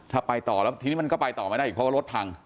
ถ้าไปต่อแล้วทีนี้มันก็ไปต่อไม่ได้อีกเพราะว่ารถพัง